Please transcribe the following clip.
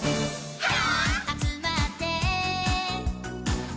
はい！